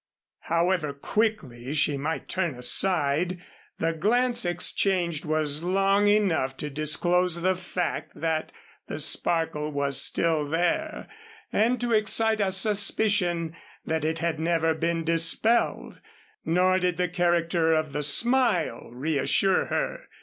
However quickly she might turn aside, the glance exchanged was long enough to disclose the fact that the sparkle was still there and to excite a suspicion that it had never been dispelled. Nor did the character of the smile reassure her.